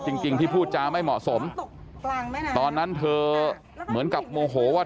จริงจริงที่พูดจาไม่เหมาะสมตอนนั้นเธอเหมือนกับโมโหว่า